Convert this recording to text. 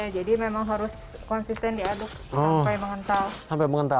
jadi memang harus konsisten diaduk sampai mengental